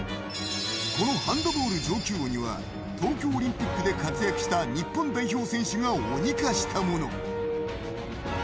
このハンドボール上級鬼は東京オリンピックで活躍した日本代表選手が鬼化したもの